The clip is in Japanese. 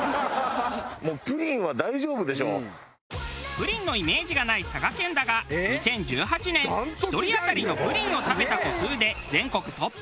プリンのイメージがない佐賀県だが２０１８年１人当たりのプリンを食べた個数で全国トップ。